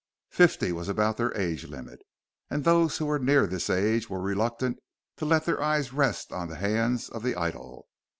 Fifty was about their age limit and those who were near this age were reluctant to let their eyes rest on the hands of the idol.